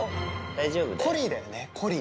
コリーだよね、コリー。